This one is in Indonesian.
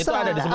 itu ada di semua